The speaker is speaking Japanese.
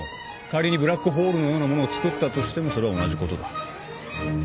仮にブラックホールのようなものをつくったとしてもそれは同じことだ。